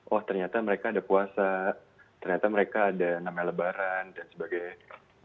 oh ternyata mereka ada puasa ternyata mereka ada namanya lebaran dan sebagainya